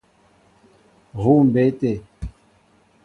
Huu mbé te.